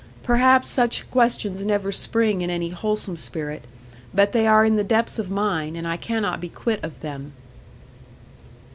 Perhaps such questions never spring in any wholesome spirit. But they are in the depths of mine, and I cannot be quit of them.